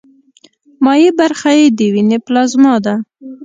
مایع برخه یې د ویني پلازما ده.